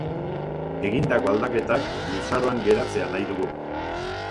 Egindako aldaketak luzaroan geratzea nahi dugu.